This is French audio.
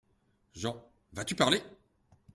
JEAN : Vas-tu parler !